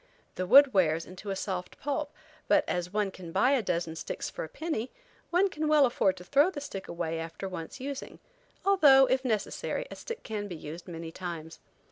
The wood wears into a soft pulp, but as one can buy a dozen sticks for a penny one can well afford to throw the stick away after once using; although, if necessary, a stick can be used many times.